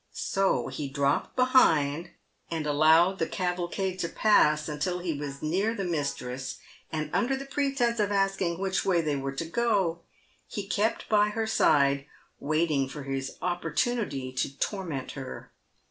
So he dropped behind, and allowed the cavalcade to pass until he was near the mistress, and under the pretence of asking which way they were to go, he kept by her side, waiting for his opportunity to torment her.